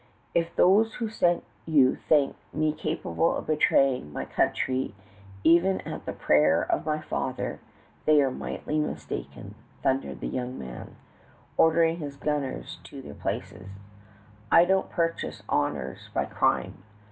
"If those who sent you think me capable of betraying my country even at the prayer of my father, they are mightily mistaken," thundered the young man, ordering his gunners to their places. "I don't purchase honors by crime!